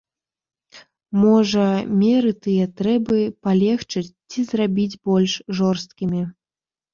Можа, меры тыя трэба палегчыць ці зрабіць больш жорсткімі?